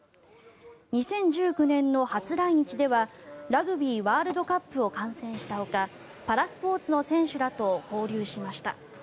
２０１９年の初来日ではラグビーワールドカップを観戦したほかパラスポーツの選手らと交流しました。